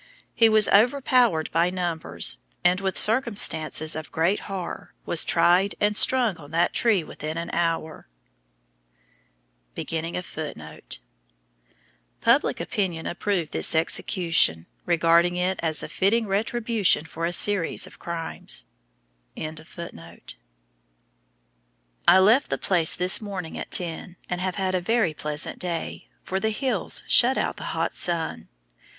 He was overpowered by numbers, and, with circumstances of great horror, was tried and strung on that tree within an hour. Public opinion approved this execution, regarding it as a fitting retribution for a series of crimes. I left the place this morning at ten, and have had a very pleasant day, for the hills shut out the hot sun.